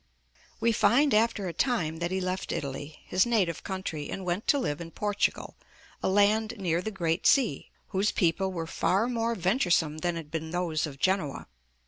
We find after a time that he left Italy, his native country, and went to live in Portugal, a land near the great sea, whose people were far more venturesome than had been those of Genoa.